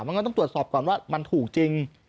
มันก็ต้องตรวจสอบก่อนว่ามันถูกจริง